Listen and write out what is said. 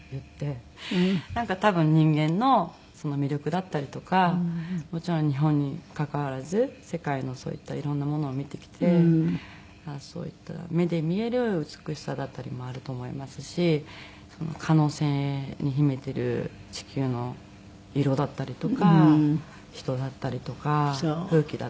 なんか多分人間の魅力だったりとかもちろん日本にかかわらず世界のそういったいろんなものを見てきて目で見える美しさだったりもあると思いますし可能性に秘めてる地球の色だったりとか人だったりとか空気だったりとか。